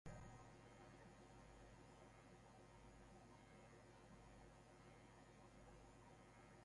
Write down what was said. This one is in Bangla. এছাড়াও তিনি মানবাধিকার লঙ্ঘন নথিভূক্ত করার ব্লগ "ইয়েমেন রাইটস মনিটরের" সহ-প্রতিষ্ঠাতা, মানবাধিকার লঙ্ঘনের রেকর্ড করার জন্য একটি ব্লগ।